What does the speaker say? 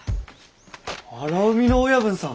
荒海の親分さん！